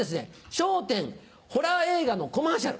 笑点ホラー映画のコマーシャル。